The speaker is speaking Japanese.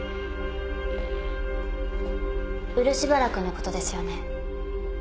漆原君のことですよね？